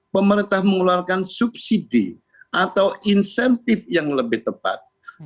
pemerintah mengeluarkan subsidi atau insentif yang lebih tepat